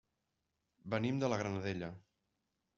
Venim de la Granadella.